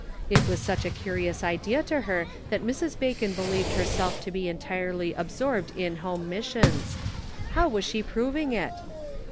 It was such a curious idea to her that Mrs. Bacon believed herself to be entirely absorbed in home mis sions. How was she proving it